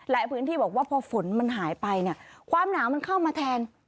พื้นที่บอกว่าพอฝนมันหายไปเนี่ยความหนาวมันเข้ามาแทน